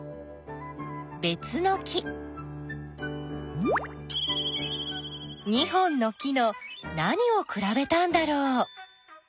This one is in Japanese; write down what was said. ２本の木の何をくらべたんだろう？